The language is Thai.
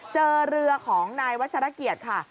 เจอเรือของนายวัชรเกียรติค่ะ